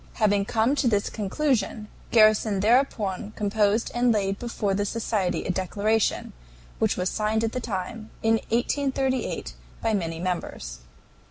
Having come to this conclusion, Garrison thereupon composed and laid before the society a declaration, which was signed at the time in 1838 by many members.